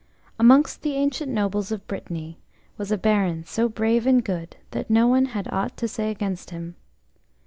MONGST the ancient nobles of Brittany was a Baron so brave and good that no one had aught to say against him.